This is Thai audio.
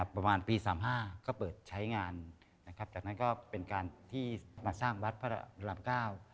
ประมาณปีสามห้าก็เปิดใช้งานนะครับจากนั้นก็เป็นการที่มาสร้างวัดพระรามเก้า